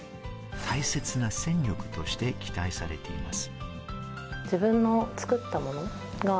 大切な戦力として期待されています。